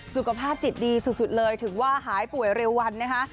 สุขภาพจิตดีสุดเลยถึงว่าหายป่วยเร็ววันนะคะ